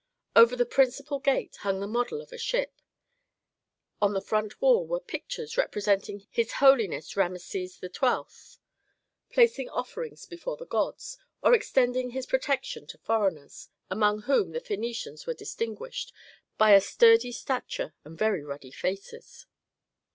Over the principal gate hung the model of a ship; on the front wall were pictures representing his holiness Rameses XII. placing offerings before the gods, or extending his protection to foreigners, among whom the Phœnicians were distinguished by a sturdy stature and very ruddy faces.